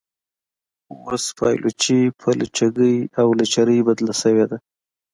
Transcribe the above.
خو اوس پایلوچي په لچکۍ او لچرۍ بدله شوې ده.